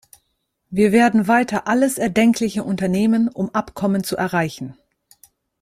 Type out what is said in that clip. Wir werden weiter alles Erdenkliche unternehmen, um Abkommen zu erreichen.